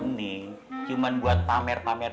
ini cuma buat pamer pamer